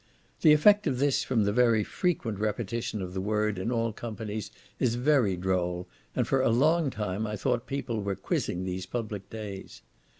The effect of this, from the very frequent repetition of the word in all companies is very droll, and for a long time I thought people were quizzing these public days.